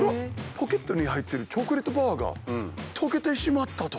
ポケットに入ってるチョコレートバーが溶けてしまったと。